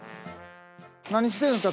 何してんすか？